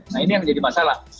nah ini yang jadi masalah